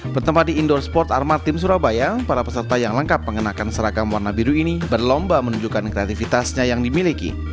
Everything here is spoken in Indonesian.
bertempat di indoor sport armatim surabaya para peserta yang lengkap mengenakan seragam warna biru ini berlomba menunjukkan kreativitasnya yang dimiliki